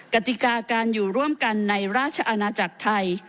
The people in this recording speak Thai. กติกาการอยู่ร่วมกันในราชอาณาจักรไทย